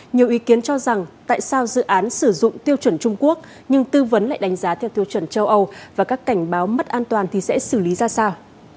nhiều ý kiến cho rằng tại sao dự án sử dụng tiêu chuẩn trung quốc nhưng tư vấn lại đánh giá theo tiêu chuẩn châu âu và các cảnh báo mất an toàn thì sẽ xử lý ra sao